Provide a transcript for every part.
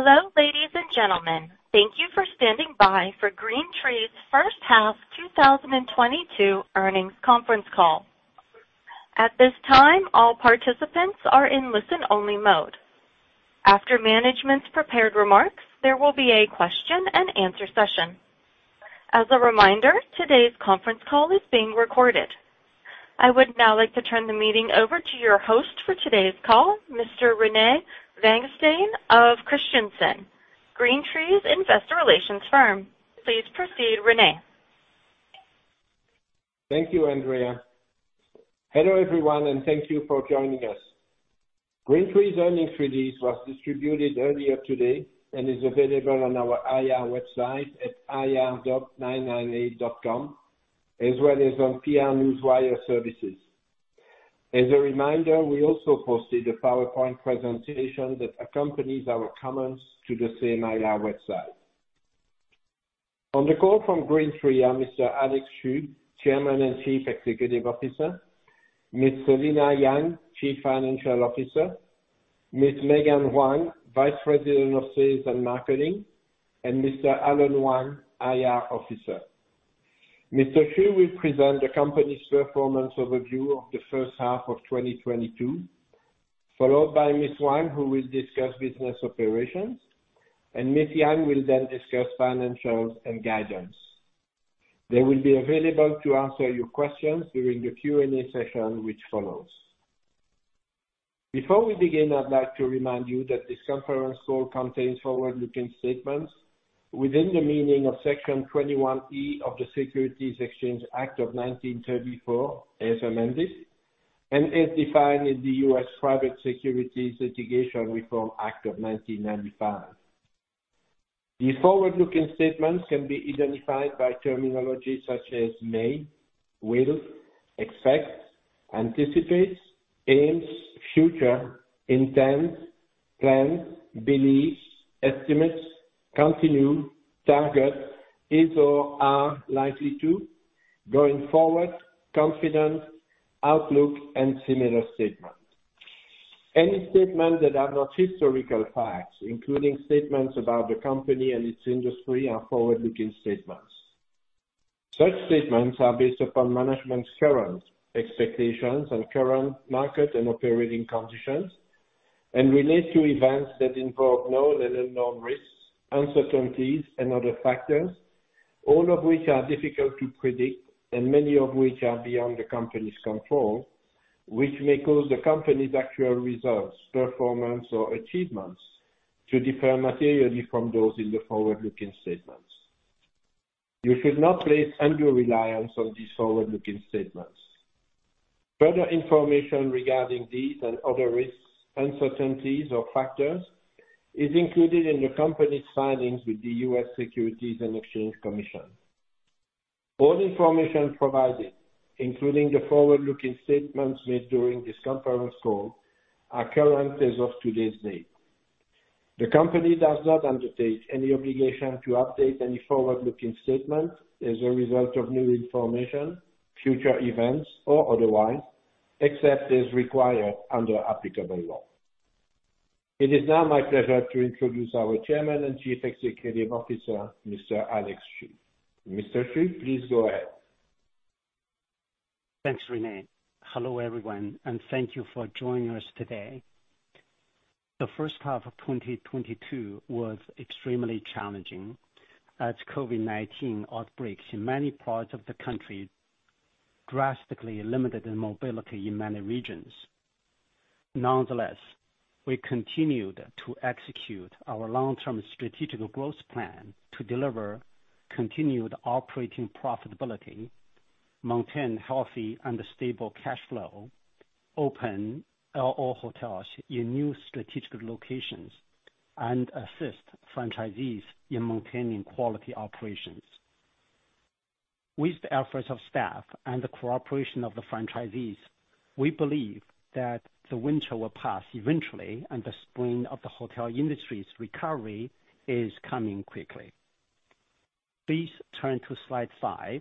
Hello, ladies and gentlemen. Thank you for standing by for GreenTree's first half 2022 earnings conference call. At this time, all participants are in listen-only mode. After management's prepared remarks, there will be a question and answer session. As a reminder, today's conference call is being recorded. I would now like to turn the meeting over to your host for today's call, Mr. Rene Vanguestaine of Christensen, GreenTree's investor relations firm. Please proceed, Rene. Thank you, Andrea. Hello, everyone, and thank you for joining us. GreenTree's earnings release was distributed earlier today and is available on our IR website at ir.998.com, as well as on PR Newswire services. As a reminder, we also posted a PowerPoint presentation that accompanies our comments to the same IR website. On the call from GreenTree are Mr. Alex Xu, Chairman and Chief Executive Officer, Ms. Selina Yang, Chief Financial Officer, Ms. Megan Huang, Vice President of Sales and Marketing, and Mr. Alan Wang, IR Officer. Mr. Xu will present the company's performance overview of the first half of 2022, followed by Ms. Huang, who will discuss business operations, and Ms. Yang will then discuss financials and guidance. They will be available to answer your questions during the Q&A session which follows. Before we begin, I'd like to remind you that this conference call contains forward-looking statements within the meaning of Section 21E of the Securities Exchange Act of 1934, as amended, and as defined in the U.S. Private Securities Litigation Reform Act of 1995. These forward-looking statements can be identified by terminology such as may, will, expect, anticipate, aims, future, intend, plan, believes, estimates, continue, target, is or are likely to, going forward, confident, outlook, and similar statements. Any statements that are not historical facts, including statements about the company and its industry are forward-looking statements. Such statements are based upon management's current expectations and current market and operating conditions, and relate to events that involve known and unknown risks, uncertainties and other factors, all of which are difficult to predict and many of which are beyond the company's control, which may cause the company's actual results, performance or achievements to differ materially from those in the forward-looking statements. You should not place undue reliance on these forward-looking statements. Further information regarding these and other risks, uncertainties or factors is included in the company's filings with the U.S. Securities and Exchange Commission. All information provided, including the forward-looking statements made during this conference call, are current as of today's date. The company does not undertake any obligation to update any forward-looking statement as a result of new information, future events or otherwise, except as required under applicable law. It is now my pleasure to introduce our Chairman and Chief Executive Officer, Mr. Alex Xu. Mr. Xu, please go ahead. Thanks, Rene. Hello, everyone. Thank you for joining us today. The first half of 2022 was extremely challenging as COVID-19 outbreaks in many parts of the country drastically limited the mobility in many regions. Nonetheless, we continued to execute our long-term strategic growth plan to deliver continued operating profitability, maintain healthy and stable cash flow, open our all hotels in new strategic locations, and assist franchisees in maintaining quality operations. With the efforts of staff and the cooperation of the franchisees, we believe that the winter will pass eventually. The spring of the hotel industry's recovery is coming quickly. Please turn to slide 5.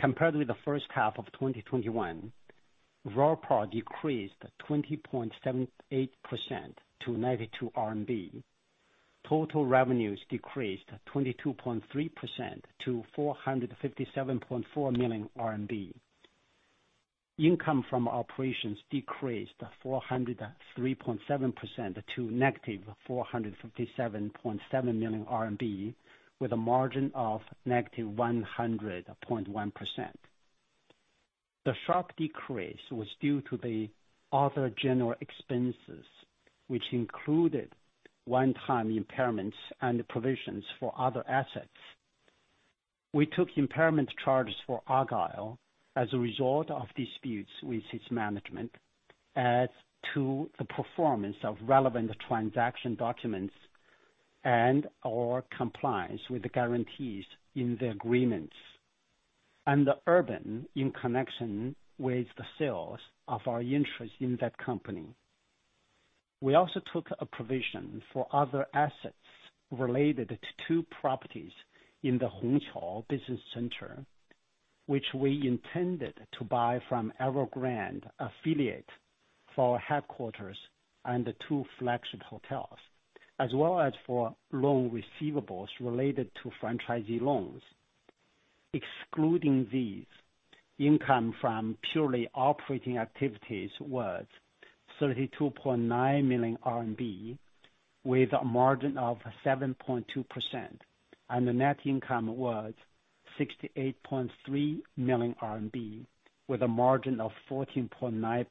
Compared with the first half of 2021, RevPAR decreased 20.78% to -92 RMB. Total revenues decreased 22.3% to 457.4 million RMB. Income from operations decreased 403.7% to -457.7 million RMB with a margin of -100.1%. The sharp decrease was due to the other general expenses, which included one-time impairments and provisions for other assets. We took impairment charges for Argyle as a result of disputes with its management as to the performance of relevant transaction documents and/or compliance with the guarantees in the agreements and Urban in connection with the sales of our interest in that company. We also took a provision for other assets related to two properties in the Hongqiao Business Center, which we intended to buy from Evergrande affiliate for our headquarters and the two flagship hotels, as well as for loan receivables related to franchisee loans. Excluding these, income from purely operating activities was 32.9 million RMB, with a margin of 7.2%. The net income was 68.3 million RMB, with a margin of 14.9%.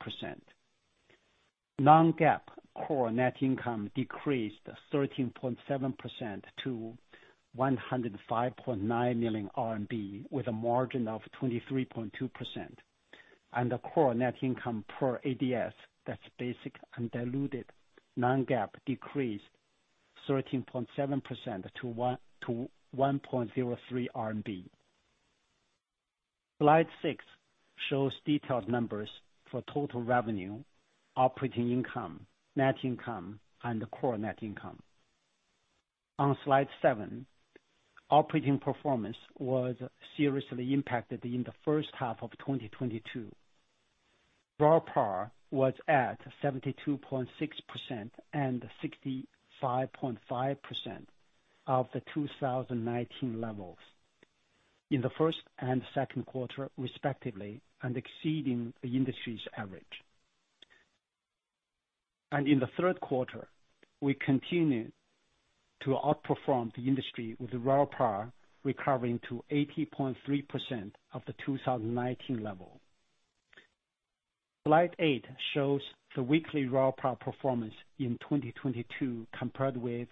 Non-GAAP core net income decreased 13.7% to 105.9 million RMB, with a margin of 23.2%. The core net income per ADS, that's basic and diluted, non-GAAP decreased 13.7% to RMB 1.03. Slide 6 shows detailed numbers for total revenue, operating income, net income, and core net income. On Slide 7, operating performance was seriously impacted in the first half of 2022. RevPAR was at 72.6% and 65.5% of the 2019 levels in the first and second quarter, respectively, exceeding the industry's average. In the third quarter, we continued to outperform the industry, with RevPAR recovering to 80.3% of the 2019 level. Slide 8 shows the weekly RevPAR performance in 2022 compared with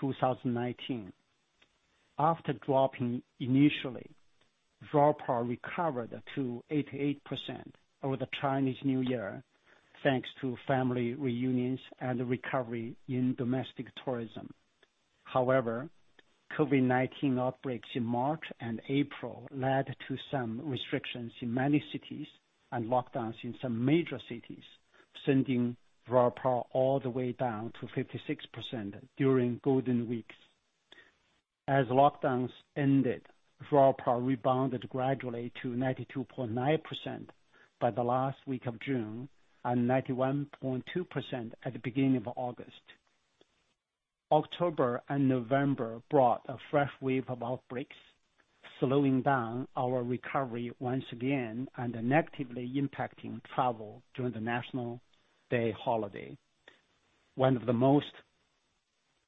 2019. After dropping initially, RevPAR recovered to 88% over the Chinese New Year, thanks to family reunions and recovery in domestic tourism. However, COVID-19 outbreaks in March and April led to some restrictions in many cities and lockdowns in some major cities, sending RevPAR all the way down to 56% during Golden Weeks. As lockdowns ended, RevPAR rebounded gradually to 92.9% by the last week of June, and 91.2% at the beginning of August. October and November brought a fresh wave of outbreaks, slowing down our recovery once again and negatively impacting travel during the National Day holiday, one of the most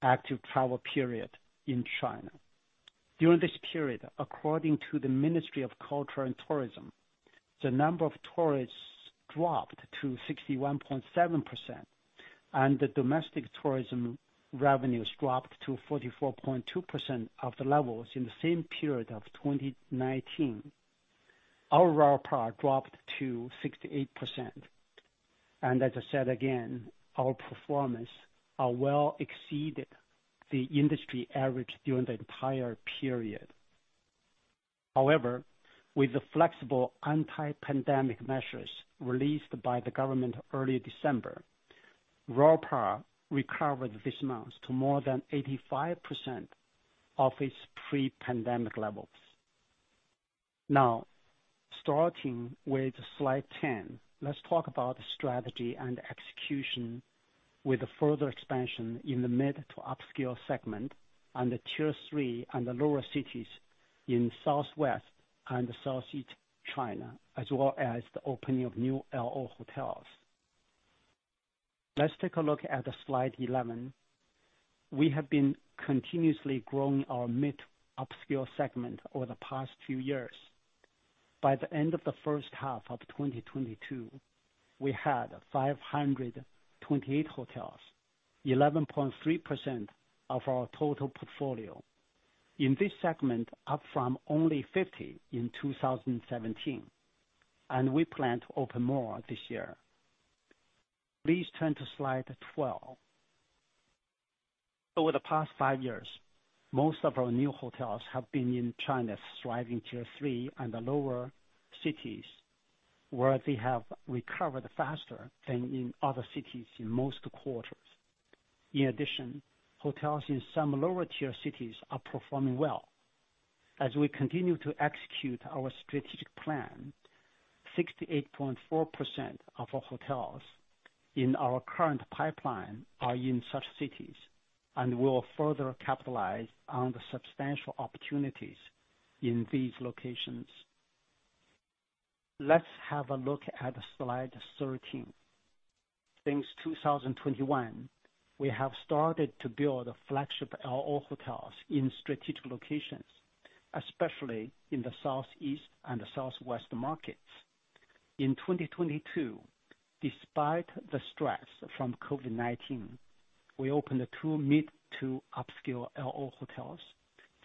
active travel period in China. During this period, according to the Ministry of Culture and Tourism, the number of tourists dropped to 61.7%, and the domestic tourism revenues dropped to 44.2% of the levels in the same period of 2019. Our RevPAR dropped to 68%. As I said again, our performance, well exceeded the industry average during the entire period. However, with the flexible anti-pandemic measures released by the government early December, RevPAR recovered this month to more than 85% of its pre-pandemic levels. Starting with slide 10, let's talk about strategy and execution with a further expansion in the mid to upscale segment on the tier 3 and the lower cities in Southwest and Southeast China, as well as the opening of new LO hotels. Let's take a look at the slide 11. We have been continuously growing our mid-upscale segment over the past few years. By the end of the first half of 2022, we had 528 hotels, 11.3% of our total portfolio in this segment, up from only 50 in 2017. We plan to open more this year. Please turn to slide 12. Over the past 5 years, most of our new hotels have been in China's thriving tier 3 and the lower cities, where they have recovered faster than in other cities in most quarters. In addition, hotels in some lower tier cities are performing well. As we continue to execute our strategic plan, 68.4% of our hotels in our current pipeline are in such cities, and we'll further capitalize on the substantial opportunities in these locations. Let's have a look at slide 13. Since 2021, we have started to build flagship LO hotels in strategic locations, especially in the southeast and the southwest markets. In 2022, despite the stress from COVID-19, we opened two mid to upscale LO hotels.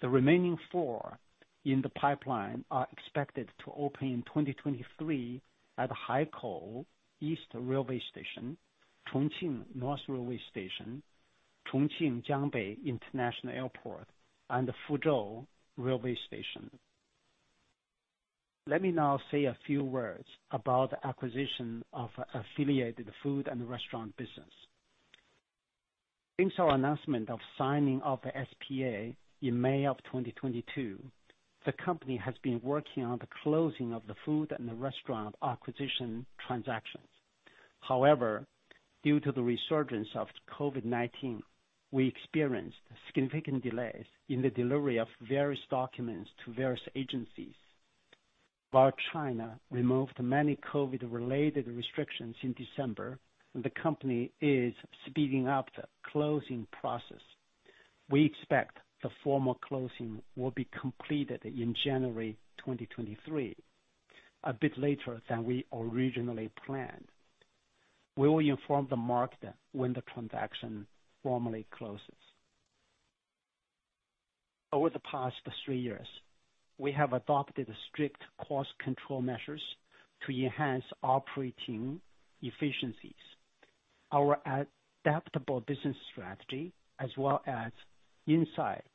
The remaining four in the pipeline are expected to open in 2023 at Haikou East Railway Station, Chongqing North Railway Station, Chongqing Jiangbei International Airport, and Fuzhou Railway Station. Let me now say a few words about the acquisition of affiliated food and restaurant business. Since our announcement of signing of the SPA in May of 2022, the company has been working on the closing of the food and the restaurant acquisition transactions. Due to the resurgence of COVID-19, we experienced significant delays in the delivery of various documents to various agencies. While China removed many COVID-related restrictions in December, and the company is speeding up the closing process, we expect the formal closing will be completed in January 2023, a bit later than we originally planned. We will inform the market when the transaction formally closes. Over the past 3 years, we have adopted strict cost control measures to enhance operating efficiencies. Our adaptable business strategy as well as insights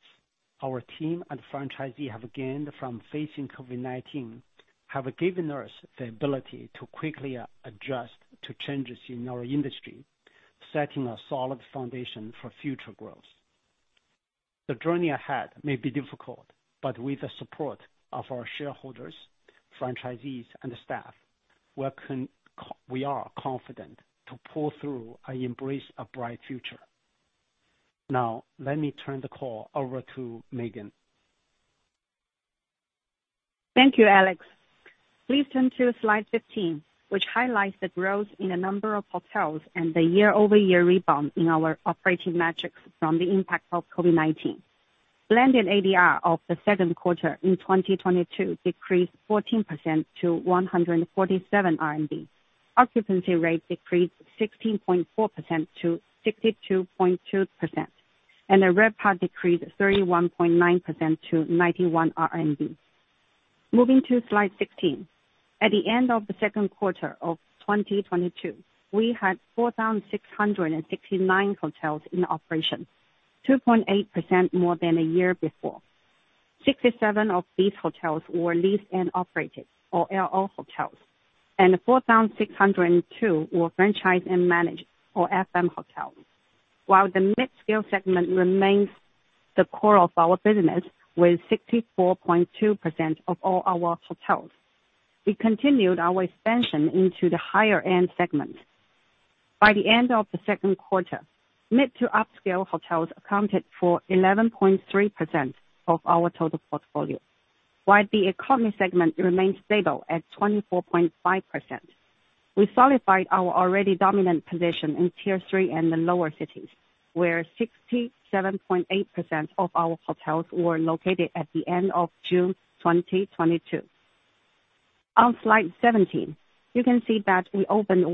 our team and franchisee have gained from facing COVID-19, have given us the ability to quickly adjust to changes in our industry, setting a solid foundation for future growth. The journey ahead may be difficult, but with the support of our shareholders, franchisees and staff, we are confident to pull through and embrace a bright future. Let me turn the call over to Megan. Thank you, Alex. Please turn to slide 15, which highlights the growth in the number of hotels and the year-over-year rebound in our operating metrics from the impact of COVID-19. Blended ADR of the second quarter in 2022 decreased 14% to 147 RMB. Occupancy rate decreased 16.4% to 62.2%, and the RevPAR decreased 31.9% to 91 RMB. Moving to slide 16. At the end of the second quarter of 2022, we had 4,669 hotels in operation, 2.8% more than a year before. 67 of these hotels were leased and operated, or LO hotels, and 4,602 were franchise and manage or FM hotels. While the midscale segment remains the core of our business with 64.2% of all our hotels, we continued our expansion into the higher end segment. By the end of the second quarter, mid to upscale hotels accounted for 11.3% of our total portfolio, while the economy segment remained stable at 24.5%. We solidified our already dominant position in tier 3 and the lower cities, where 67.8% of our hotels were located at the end of June 2022. On slide 17, you can see that we opened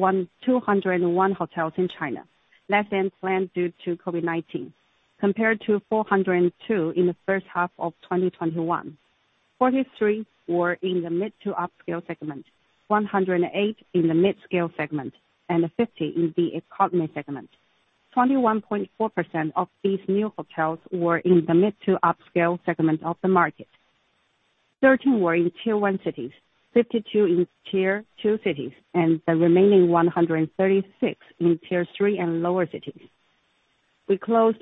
201 hotels in China, less than planned due to COVID-19, compared to 402 in the first half of 2021. 43 were in the mid to upscale segment, 108 in the midscale segment, and 50 in the economy segment. 21.4% of these new hotels were in the mid to upscale segment of the market. 13 were in tier 1 cities, 52 in tier 2 cities, and the remaining 136 in tier 3 and lower cities. We closed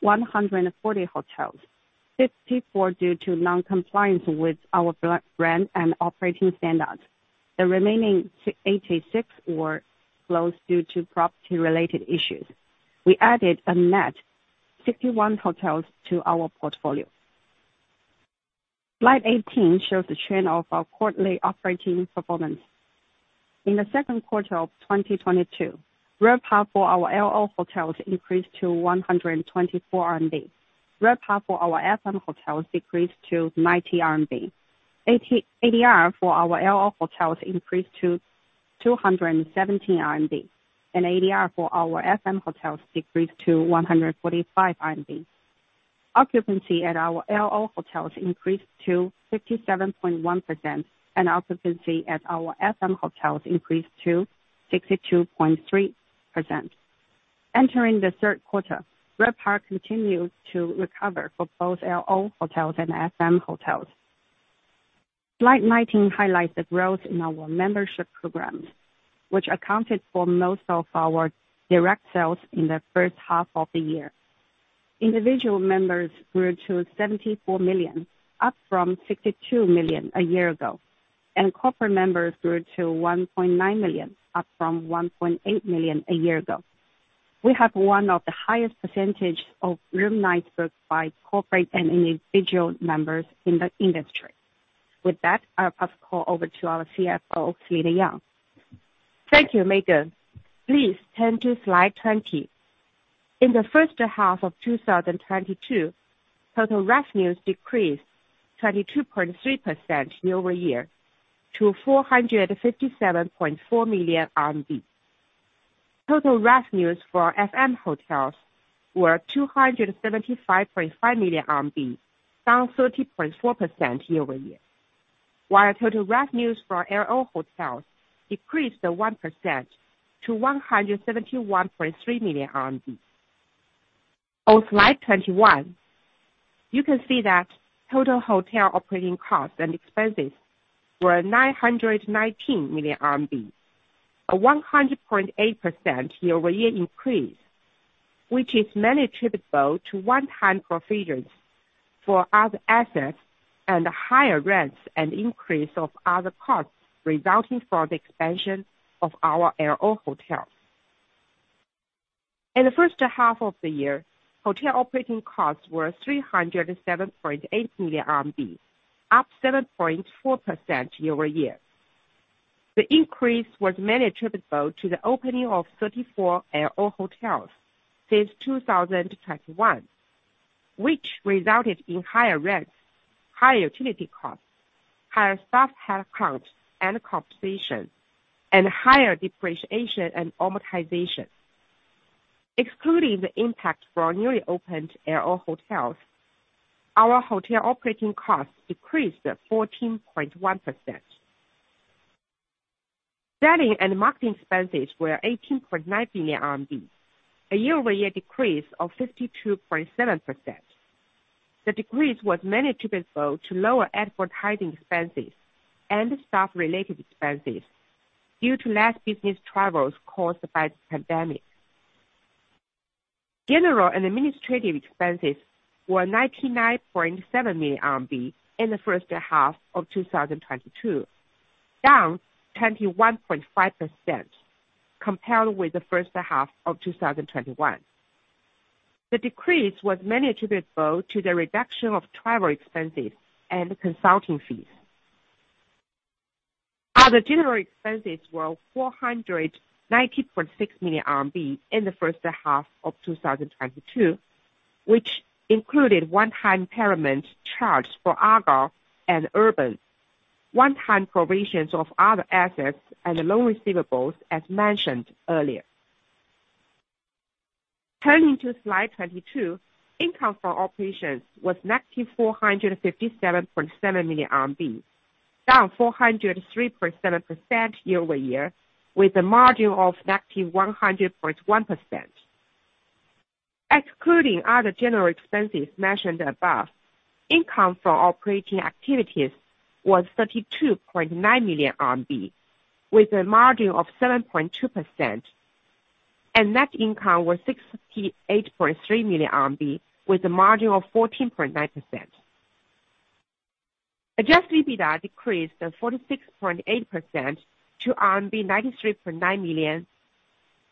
140 hotels. 54 due to non-compliance with our brand and operating standards. The remaining 86 were closed due to property related issues. We added a net 61 hotels to our portfolio. Slide 18 shows the trend of our quarterly operating performance. In the second quarter of 2022, RevPAR for our LO hotels increased to 124 RMB. RevPAR for our FM hotels decreased to 90 RMB. ADR for our LO hotels increased to 217 RMB, and ADR for our FM hotels decreased to 145 RMB. Occupancy at our LO hotels increased to 67.1%, and occupancy at our FM hotels increased to 62.3%. Entering the third quarter, RevPAR continues to recover for both LO hotels and FM hotels. Slide 19 highlights the growth in our membership programs, which accounted for most of our direct sales in the first half of the year. Individual members grew to 74 million, up from 62 million a year ago, and corporate members grew to 1.9 million, up from 1.8 million a year ago. We have one of the highest percentage of room nights booked by corporate and individual members in the industry. With that, I'll pass the call over to our CFO, Selina Yang. Thank you, Megan. Please turn to slide 20. In the first half of 2022, total revenues decreased 22.3% year-over-year to 457.4 million RMB. Total revenues for FM hotels were 275.5 million RMB, down 30.4% year-over-year. While total revenues for LO hotels decreased 1% to 171.3 million RMB. On slide 21, you can see that total hotel operating costs and expenses were 919 million RMB, a 100.8% year-over-year increase, which is mainly attributable to one-time provisions for other assets and higher rents and increase of other costs resulting from the expansion of our LO hotels. In the first half of the year, hotel operating costs were 307.8 million RMB, up 7.4% year-over-year. The increase was mainly attributable to the opening of 34 LO hotels since 2021, which resulted in higher rents, higher utility costs, higher staff head count and compensation, and higher depreciation and amortization. Excluding the impact for our newly opened LO hotels, our hotel operating costs decreased 14.1%. Selling and marketing expenses were 18.9 billion RMB, a year-over-year decrease of 52.7%. The decrease was mainly attributable to lower advertising expenses and staff-related expenses due to less business travels caused by the pandemic. General and administrative expenses were 99.7 million RMB in the first half of 2022, down 21.5% compared with the first half of 2021. The decrease was mainly attributable to the reduction of travel expenses and consulting fees. Other general expenses were 490.6 million RMB in the first half of 2022, which included one-time impairment charge for Argyle and Urban, one-time provisions of other assets and loan receivables, as mentioned earlier. Turning to slide 22. Income for operations was -RMB 457.7 million, down 403% year-over-year, with a margin of -100.1%. Excluding other general expenses mentioned above, income for operating activities was 32.9 million RMB with a margin of 7.2%, and net income was 68.3 million RMB with a margin of 14.9%. Adjusted EBITDA decreased 46.8% to RMB 93.9 million,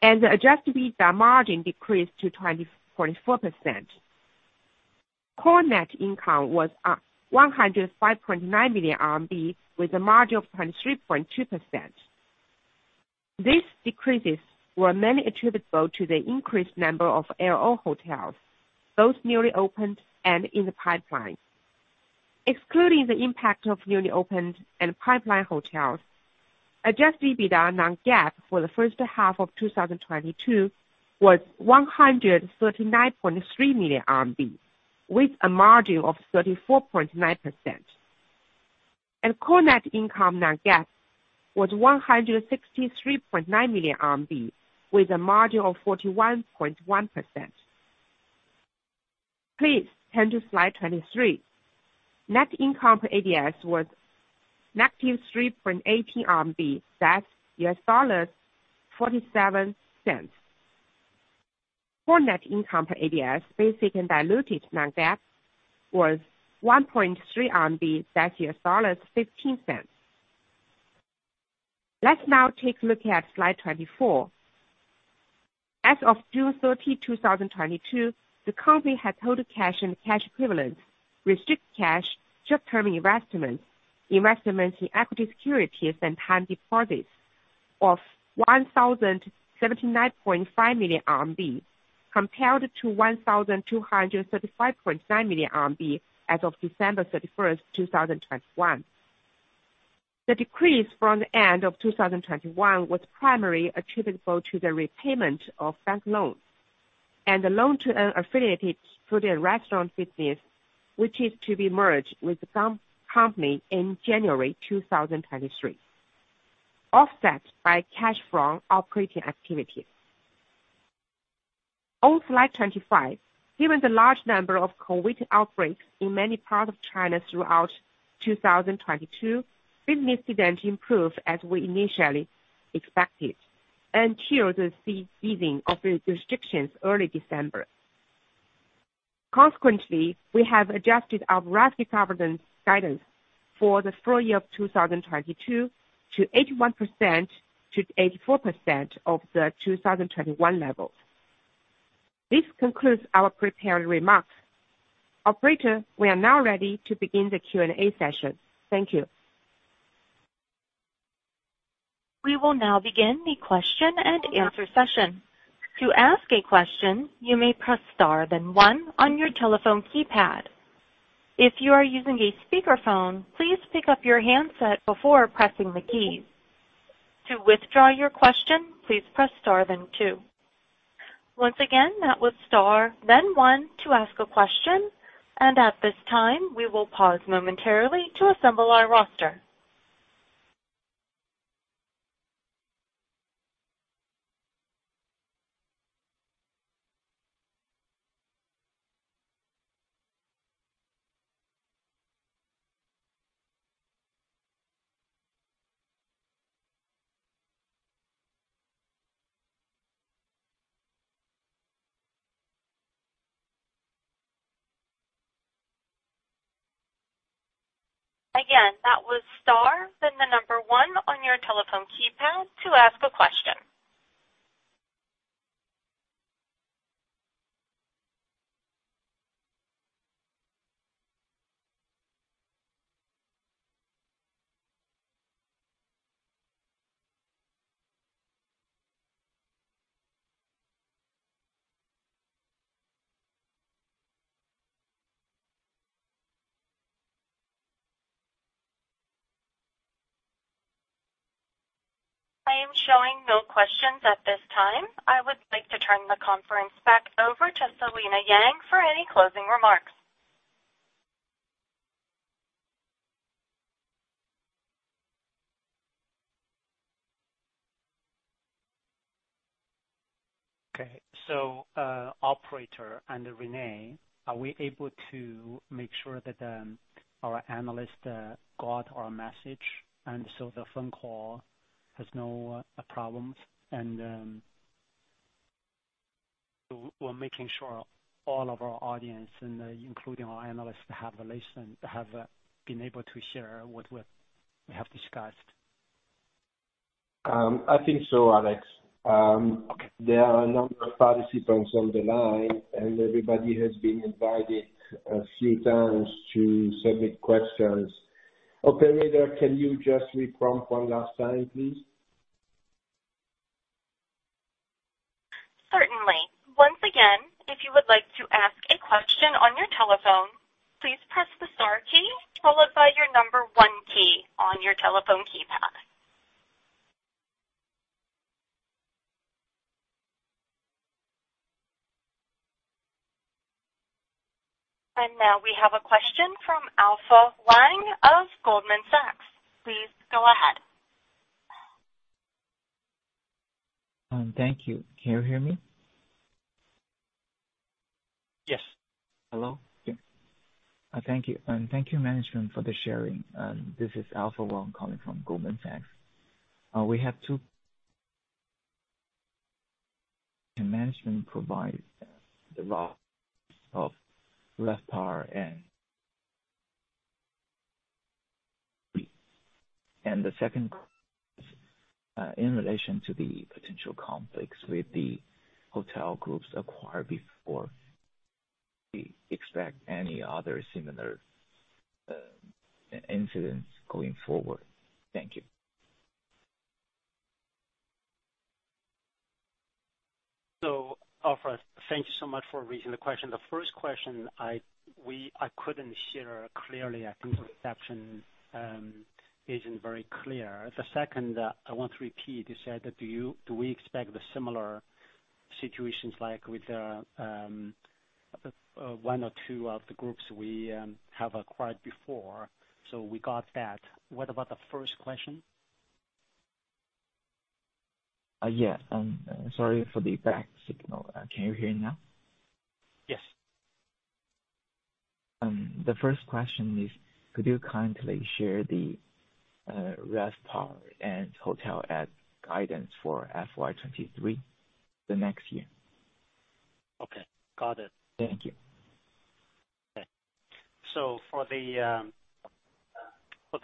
and the adjusted EBITDA margin decreased to 20.4%. Core net income was 105.9 million RMB with a margin of 23.2%. These decreases were mainly attributable to the increased number of LO hotels, both newly opened and in the pipeline. Excluding the impact of newly opened and pipeline hotels, adjusted EBITDA non-GAAP for the first half of 2022 was 139.3 million RMB, with a margin of 34.9%. Core net income non-GAAP was 163.9 million RMB with a margin of 41.1%. Please turn to slide 23. Net income per ADS was -3.8 RMB. That's $0.47. Core net income per ADS, basic and diluted non-GAAP was RMB 1.3. That's $0.15. Let's now take a look at slide 24. As of June 30, 2022, the company had total cash and cash equivalents, restrict cash, short-term investments in equity securities, and time deposits of 1,079.5 million RMB compared to 1,235.9 million RMB as of December 31st, 2021. The decrease from the end of 2021 was primarily attributable to the repayment of bank loans and the loan to an affiliate for their restaurant business, which is to be merged with the comp-company in January 2023, offset by cash from operating activities. On slide 25, given the large number of COVID outbreaks in many parts of China throughout 2022, business didn't improve as we initially expected until the easing of the restrictions early December. Consequently, we have adjusted our RevPAR guidance for the full year of 2022 to 81%-84% of the 2021 level. This concludes our prepared remarks. Operator, we are now ready to begin the Q&A session. Thank you. We will now begin the question and answer session. To ask a question, you may press star then 1 on your telephone keypad. If you are using a speakerphone, please pick up your handset before pressing the keys. To withdraw your question, please press star then 2. Once again, that was star then 1 to ask a question. At this time, we will pause momentarily to assemble our roster. That was star, then the number 1 on your telephone keypad to ask a question. I am showing no questions at this time. I would like to turn the conference back over to Selina Yang for any closing remarks. Okay. operator and Renee, are we able to make sure that our analyst got our message and so the phone call has no problems and we're making sure all of our audience and including our analysts have listened, have been able to hear what we have discussed? I think so, Alex. There are a number of participants on the line, and everybody has been invited a few times to submit questions. Operator, can you just re-prompt one last time, please? Certainly. Once again, if you would like to ask a question on your telephone, please press the star key followed by your number 1 key on your telephone keypad. Now we have a question from Alpha Wang of Goldman Sachs. Please go ahead. Thank you. Can you hear me? Yes. Hello? Yeah. Thank you. Thank you management for the sharing. This is Alpha Wang calling from Goldman Sachs. Can management provide the raw of RevPAR and? The second, in relation to the potential conflicts with the hotel groups acquired before, do you expect any other similar incidents going forward? Thank you. Alpha, thank you so much for raising the question. The first question I couldn't hear clearly. I think the reception isn't very clear. The second, I want to repeat. You said that do we expect the similar situations like with the one or two of the groups we have acquired before? We got that. What about the first question? Yeah. Sorry for the bad signal. Can you hear me now? Yes. The first question is, could you kindly share the RevPAR and hotel ADR guidance for FY 2023, the next year? Okay. Got it. Thank you. For the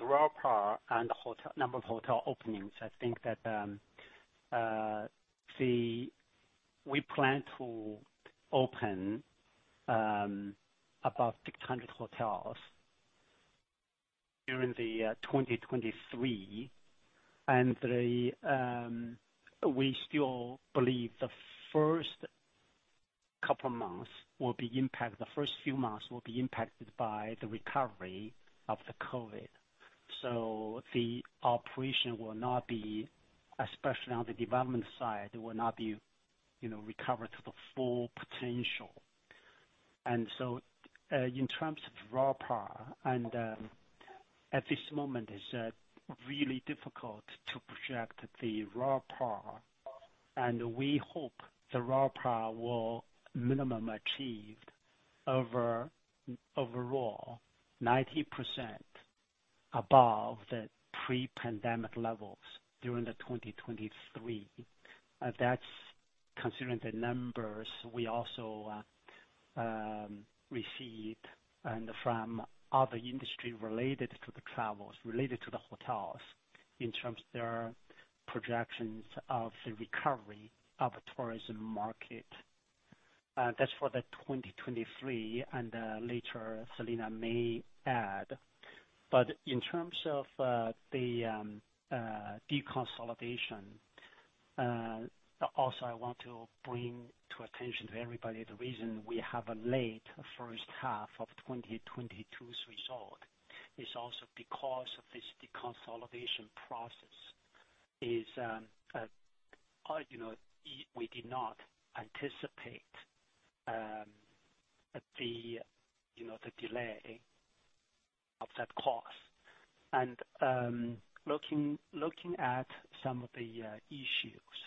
RevPAR and hotel, number of hotel openings, I think that We plan to open about 600 hotels during the 2023. We still believe The first few months will be impacted by the recovery of the COVID. The operation will not be, especially on the development side, will not be, you know, recover to the full potential. In terms of RevPAR, at this moment, it's really difficult to project the RevPAR. We hope the RevPAR will minimum achieve over-overall 90% above the pre-pandemic levels during the 2023. That's considering the numbers we also received and from other industry related to the travels, related to the hotels, in terms of their projections of the recovery of the tourism market. That's for the 2023. Later Selina may add. In terms of the deconsolidation, also I want to bring to attention to everybody the reason we have a late first half of 2022's result is also because of this deconsolidation process is, you know, we did not anticipate the, you know, the delay of that cost. Looking at some of the issues,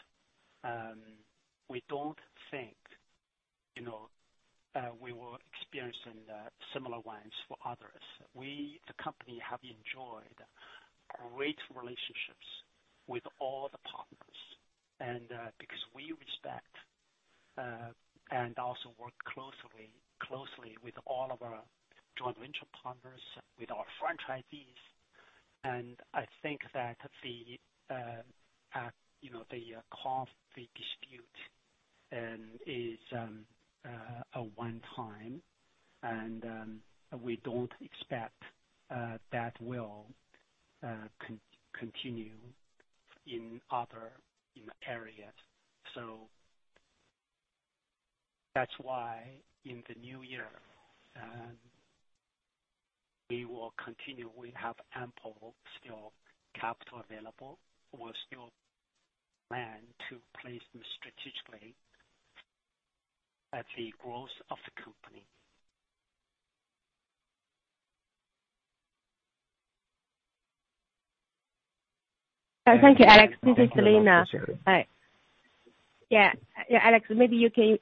we don't think, you know, we were experiencing similar ones for others. We, the company, have enjoyed great relationships with all the partners and, because we respect and also work closely with all of our joint venture partners, with our franchisees. I think that the, you know, the conflict dispute is a one-time and we don't expect that will continue in other areas. That's why in the new year, we will continue. We have ample still capital available. We'll still plan to place them strategically at the growth of the company. Thank you, Alex. This is Selina. Yeah, Alex, maybe you can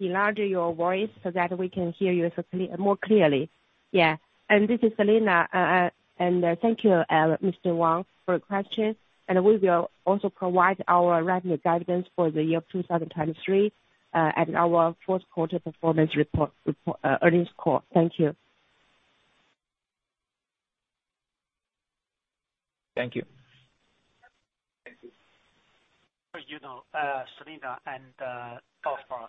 enlarge your voice so that we can hear you so more clearly. This is Selina. Thank you, Mr. Wang, for the question. We will also provide our revenue guidance for the year of 2023 at our fourth quarter performance report, earnings call. Thank you. Thank you. Thank you. You know, Selina and Oscar,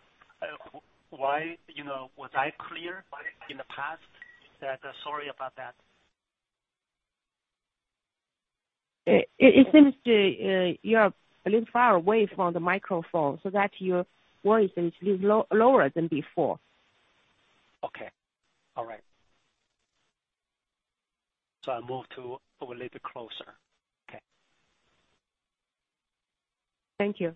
why, you know, was I clear in the past? That... Sorry about that. It seems to you're a little far away from the microphone so that your voice is lower than before. Okay. All right. I move to a little closer. Okay. Thank you.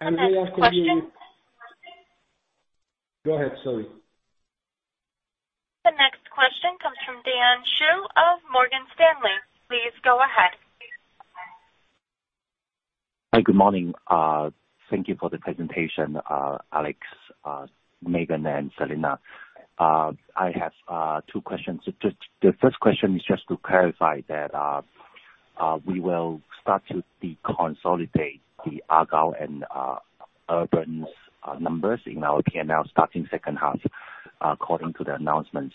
we ask that you- Next question. Go ahead, sorry. The next question comes from Dan Xu of Morgan Stanley. Please go ahead. Hi. Good morning. Thank you for the presentation, Alex, Megan and Selina. I have two questions. The first question is just to clarify that we will start to deconsolidate the Argyle and Urban's numbers in our P&L starting second half, according to the announcement.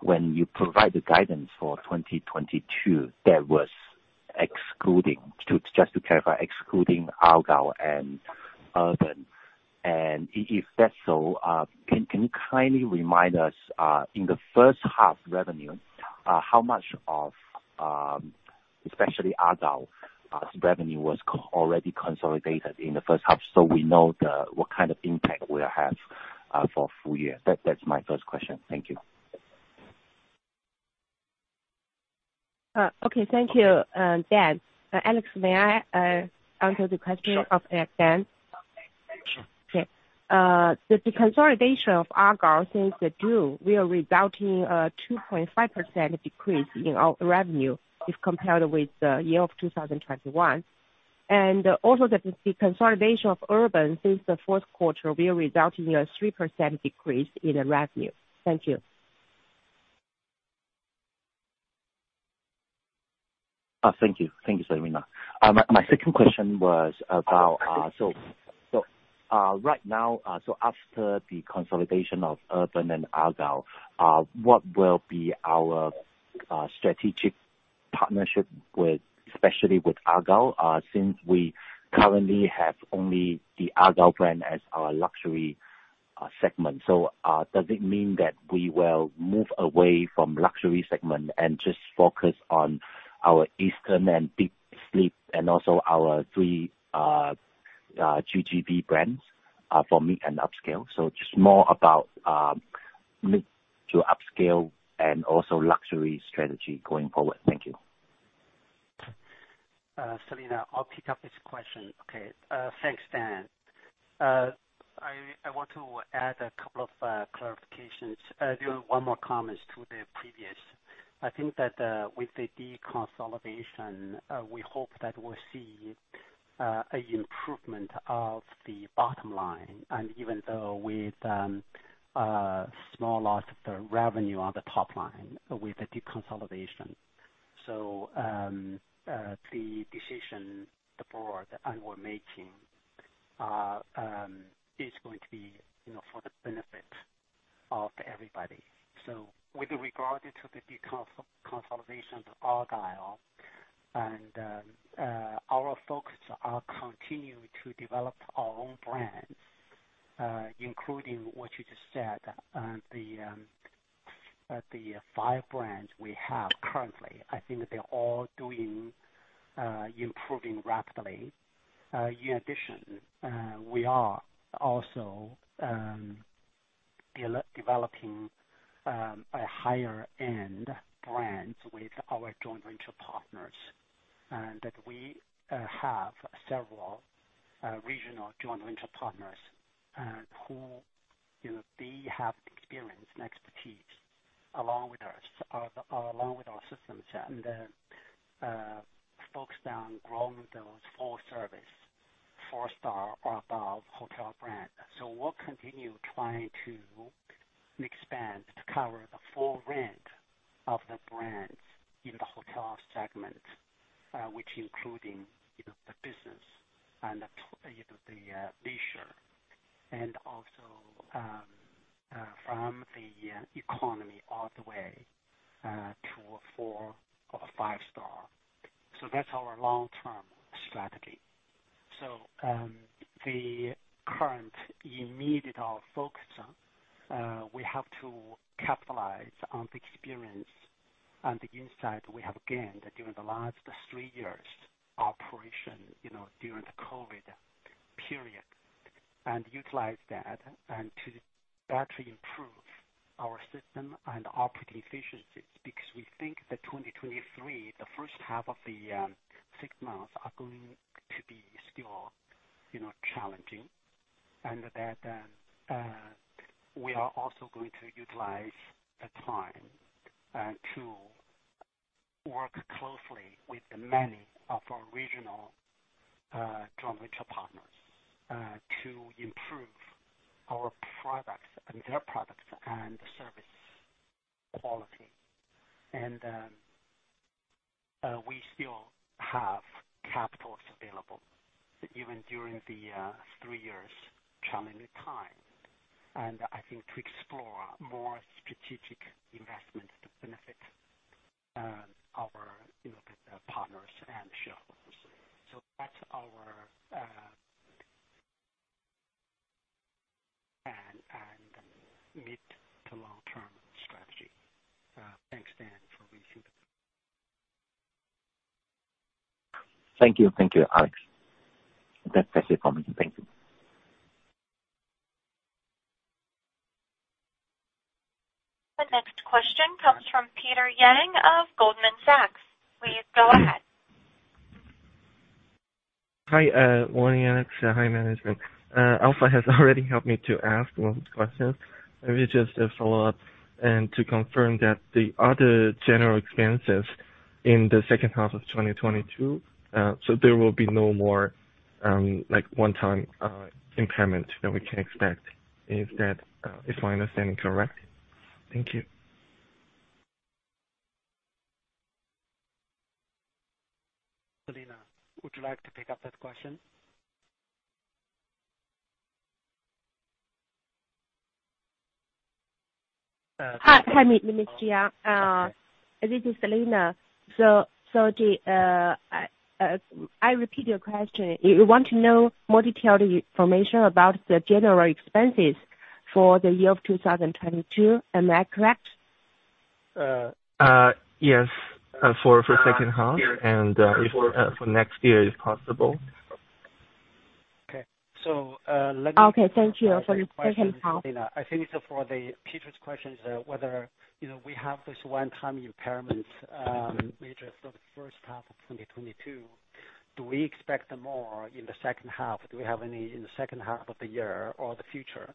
When you provide the guidance for 2022, that was excluding, just to clarify, excluding Argyle and Urban. If that's so, can you kindly remind us in the first half revenue, how much of, especially Argyle's revenue was already consolidated in the first half so we know the, what kind of impact will it have for full year? That's my first question. Thank you. Okay. Thank you, Dan. Alex, may I answer the question. Sure. Of, Dan? Sure. Okay. The consolidation of Argyle since the June will result in a 2.5% decrease in our revenue if compared with the year of 2021. Also the consolidation of Urban since the fourth quarter will result in a 3% decrease in the revenue. Thank you. Thank you. Thank you, Selina. My second question was about right now, after the consolidation of Urban and Argyle, what will be our strategic partnership with, especially with Argyle, since we currently have only the Argyle brand as our luxury segment. Does it mean that we will move away from luxury segment and just focus on our Eastern and Deep Sleep and also our three GGV brands for mid and upscale? Just more about mid to upscale and also luxury strategy going forward. Thank you. Selina, I'll pick up his question. Okay. Thanks, Dan. I want to add a couple of clarifications. One more comments to the previous. I think that with the deconsolidation, we hope that we'll see a improvement of the bottom line and even though with small loss of the revenue on the top line with the deconsolidation. The decision, the board and we're making, is going to be, you know, for the benefit of everybody. With regarding to the deconsolidation of Argyle and our focus are continuing to develop our own brands, including what you just said, the five brands we have currently. I think they're all doing improving rapidly. In addition, we are also developing a higher end brands with our joint venture partners, and that we have several regional joint venture partners, and who, you know, they have experience and expertise along with us, along with our systems and focus on growing those full service 4-star or above hotel brand. We'll continue trying to expand to cover the full range of the brands in the hotel segment, which including, you know, the business and, you know, the leisure and also from the economy all the way to a 4 or 5 star. That's our long-term strategy. The current immediate focus on, we have to capitalize on the experience and the insight we have gained during the last three years operation, you know, during the COVID period, and utilize that and to actually improve our system and operating efficiencies. We think that 2023, the first half of the, six months are going to be still, you know, challenging. We are also going to utilize the time to work closely with many of our regional joint venture partners to improve our products and their products and service quality. We still have capitals available even during the three years challenging time. I think to explore more strategic investment to benefit our, you know, partners and shareholders. That's our mid to long-term strategy. Thanks Dan, for listening. Thank you. Thank you, Alex. That's it for me. Thank you. The next question comes from Peter Yang of Goldman Sachs. Please go ahead. Hi, morning Alex. Hi management. Alpha has already helped me to ask one question. Maybe just a follow-up and to confirm that the other general expenses in the second half of 2022, so there will be no more, like one time, impairment that we can expect. Is that, is my understanding correct? Thank you. Selena, would you like to pick up that question? Uh- Hi. Hi, Mr. Yang. This is Selena. I repeat your question. You want to know more detailed information about the general expenses for the year of 2022. Am I correct? Yes, for second half and, if for next year is possible. Okay. Okay, thank you. For the second half. I think for Peter's questions, whether, you know, we have this one-time impairment major for the first half of 2022. Do we expect more in the second half? Do we have any in the second half of the year or the future?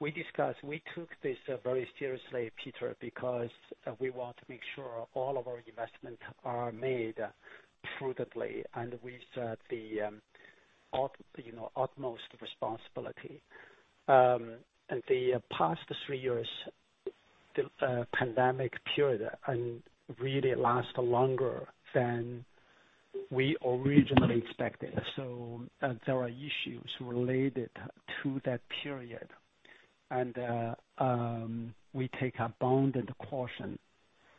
We discussed, we took this very seriously, Peter, because we want to make sure all of our investments are made prudently. We set the, you know, utmost responsibility. The past 3 years, the pandemic period and really last longer than we originally expected. There are issues related to that period. We take abundant caution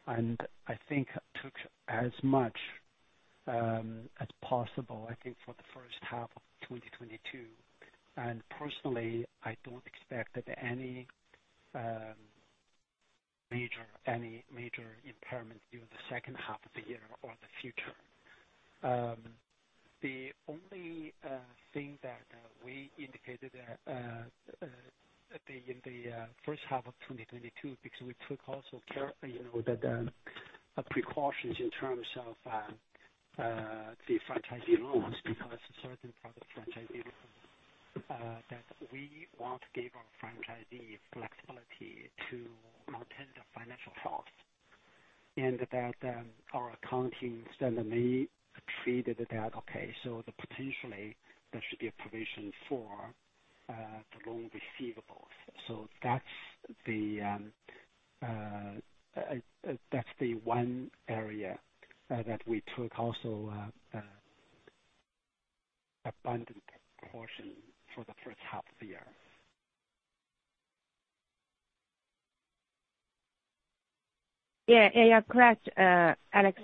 and I think took as much as possible, I think, for the first half of 2022. Personally, I don't expect any major impairment during the second half of the year or the future. The only thing that we indicated in the first half of 2022, because we took also care, you know, that precautions in terms of the franchisee loans, because certain product franchisee loans that we want to give our franchisee flexibility to maintain their financial health. That our accounting standard may treated that okay. Potentially there should be a provision for the loan receivables. That's the one area that we took also abundant caution for the first half of the year. Yeah, yeah, correct, Alex.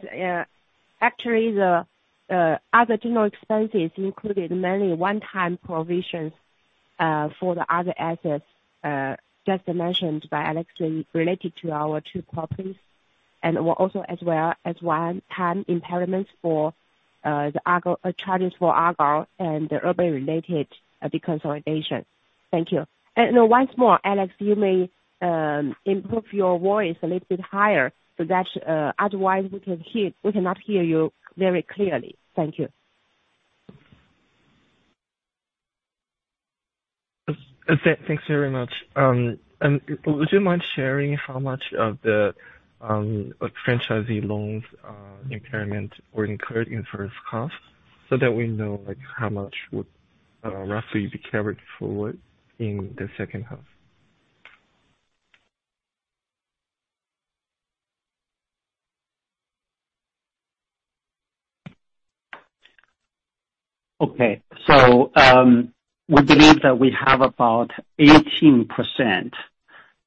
Actually the other general expenses included mainly one-time provisions for the other assets just mentioned by Alex related to our two properties. Also as well as one-time impairments for the Argyle, charges for Argyle and the Urban related consolidation. Thank you. Once more, Alex, you may improve your voice a little bit higher so that otherwise we can hear. We cannot hear you very clearly. Thank you. Thanks very much. Would you mind sharing how much of the franchisee loans impairment were incurred in first half so that we know how much would roughly be carried forward in the second half? We believe that we have about 18%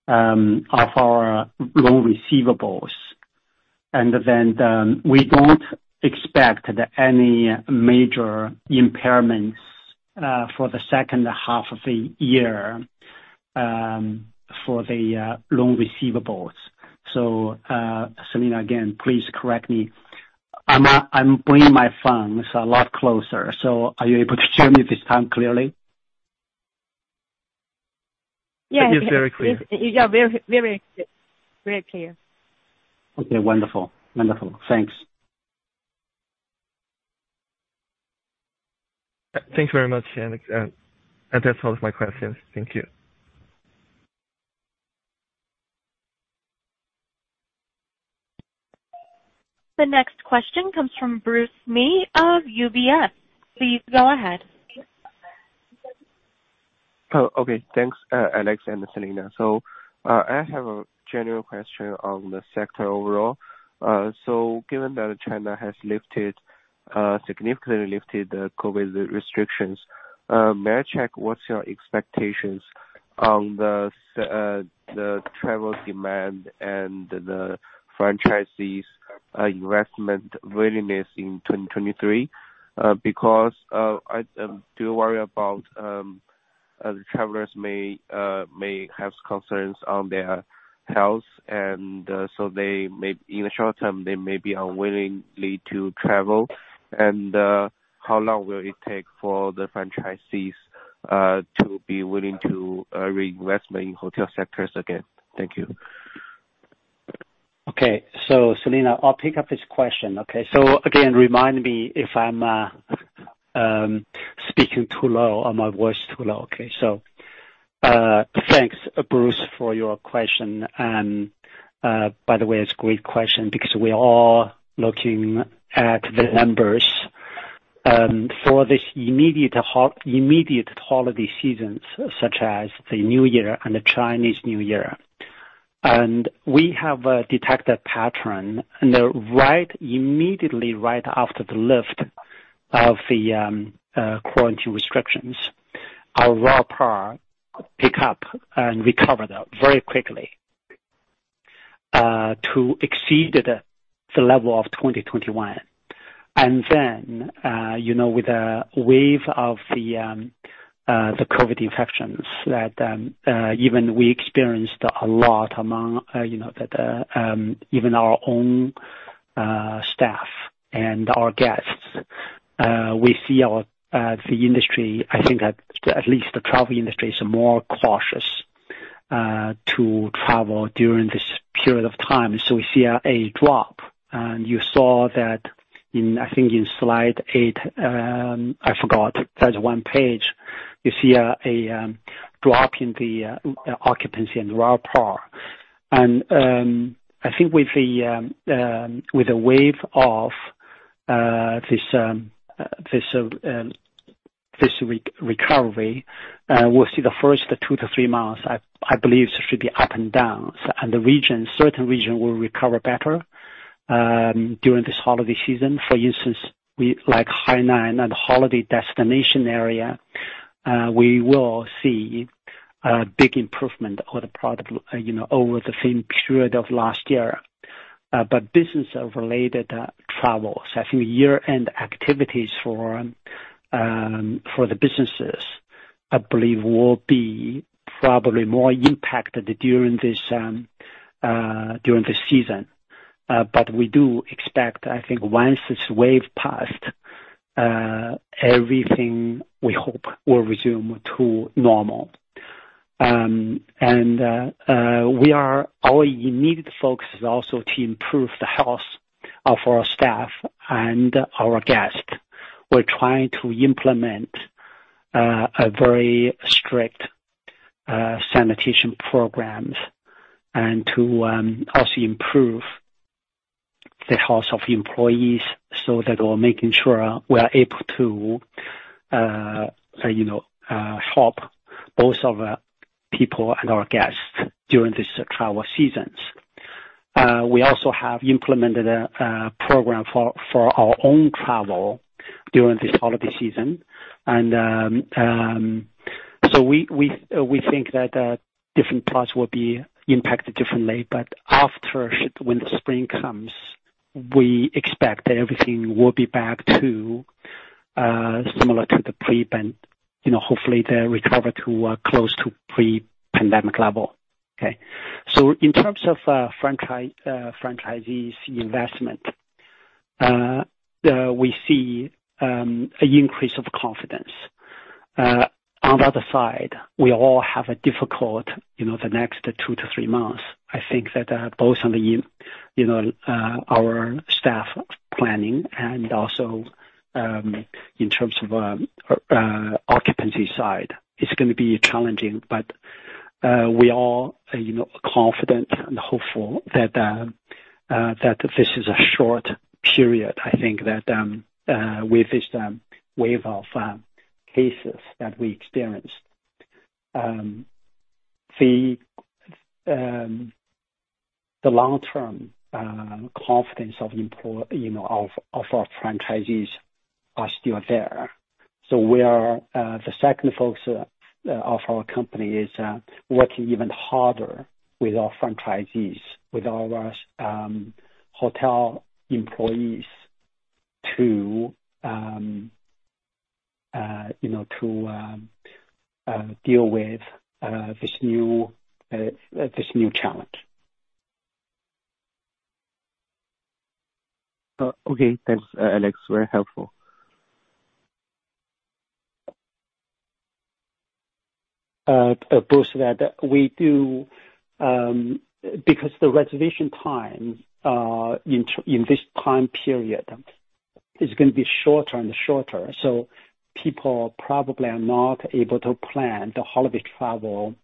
of our loan receivables, we don't expect any major impairments for the second half of the year for the loan receivables. Selina, again, please correct me. I'm bringing my phone a lot closer. Are you able to hear me this time clearly? Yeah. It is very clear. You are very, very, very clear. Okay, wonderful. Wonderful. Thanks. Thanks very much. That's all of my questions. Thank you. The next question comes from Bruce Mi of UBS. Please go ahead. Okay. Thanks, Alex and Selina. I have a general question on the sector overall. Given that China has lifted, significantly lifted the COVID restrictions, may I check what's your expectations on the travel demand and the franchisees' investment willingness in 2023? Because I do worry about travelers may have concerns on their health, they may, in the short term, they may be unwillingly to travel. How long will it take for the franchisees to be willing to reinvest in hotel sectors again? Thank you. Okay. Selina, I'll pick up this question. Okay. Again, remind me if I'm speaking too low or my voice too low. Okay. Thanks, Bruce, for your question. By the way, it's a great question because we're all looking at the numbers for this immediate holiday seasons, such as the New Year and the Chinese New Year. We have detected a pattern. Right, immediately right after the lift of the quarantine restrictions, our RevPAR pick up and recover very quickly to exceed the level of 2021. You know, with the wave of the COVID infections that even we experienced a lot among, you know, that even our own staff and our guests, we see our the industry, I think at least the travel industry is more cautious to travel during this period of time. We see a drop. You saw that in, I think in slide 8, I forgot. There's one page. You see a drop in the occupancy and RevPAR. I think with the wave of this re-recovery, we'll see the first two to three months, I believe should be up and down. The regions, certain regions will recover better during this holiday season. For instance, we, like Hainan and holiday destination area, we will see a big improvement on the product, you know, over the same period of last year. Business related, travels, I think year-end activities for the businesses, I believe will be probably more impacted during this season. We do expect, I think once this wave passed, everything we hope will resume to normal. Our immediate focus is also to improve the health of our staff and our guests. We're trying to implement a very strict sanitation programs and to also improve the health of employees so that we're making sure we are able to, you know, help both our people and our guests during this travel seasons. We also have implemented a program for our own travel during this holiday season. We think that different parts will be impacted differently, but after, when the spring comes, we expect that everything will be back to similar to the pre-pandemic. You know, hopefully they recover to close to pre-pandemic level. Okay. In terms of franchisees investment, we see a increase of confidence. On the other side, we all have a difficult, you know, the next 2-3 months. I think that both on the you know, our staff planning and also in terms of occupancy side, it's gonna be challenging, but we are, you know, confident and hopeful that this is a short period. I think that, with this wave of cases that we experienced. The long-term confidence of you know, of our franchisees are still there. We are, the second focus of our company is working even harder with our franchisees, with our hotel employees to, you know, to deal with this new challenge. Okay. Thanks, Alex. Very helpful. Bruce, that we do, because the reservation time in this time period is gonna be shorter and shorter, so people probably are not able to plan the holiday travel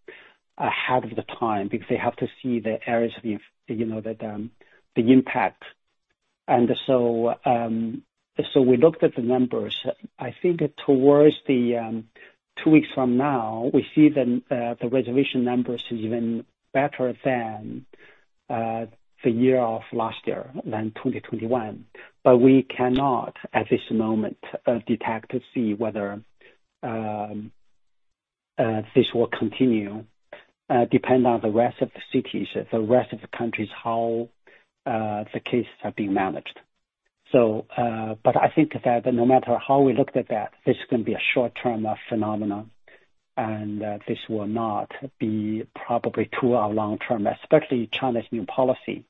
ahead of the time because they have to see the areas we've, you know, that, the impact. We looked at the numbers. I think towards the 2 weeks from now, we see the reservation numbers even better than the year of last year, than 2021. We cannot at this moment, detect to see whether this will continue, depend on the rest of the cities, the rest of the countries, how the cases are being managed. But I think that no matter how we looked at that, this is going to be a short-term phenomenon, and this will not be probably too our long term, especially China's new policy.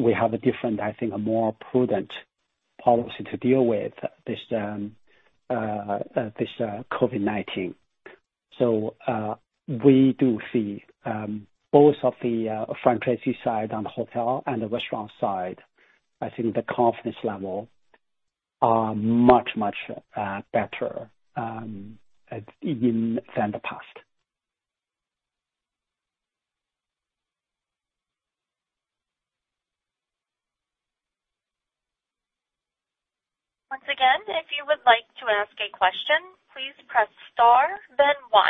We have a different, I think, a more prudent policy to deal with this COVID-19. We do see both of the franchisee side on the hotel and the restaurant side. I think the confidence level are much, much better, even than the past. Once again, if you would like to ask a question, please press star then 1.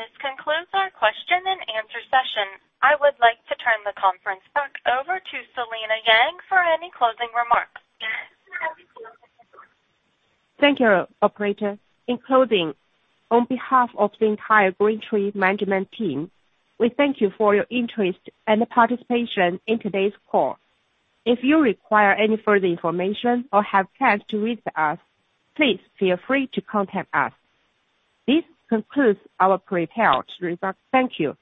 This concludes our question-and-answer session. I would like to turn the conference back over to Selina Yang for any closing remarks. Thank you, operator. In closing, on behalf of the entire GreenTree management team, we thank you for your interest and participation in today's call. If you require any further information or have chance to reach us, please feel free to contact us. This concludes our prepared remarks. Thank you.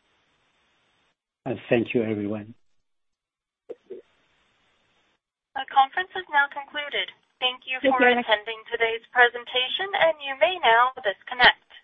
Thank you, everyone. Our conference is now concluded. Thank you for attending today's presentation. You may now disconnect.